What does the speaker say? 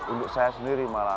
untuk saya sendiri malah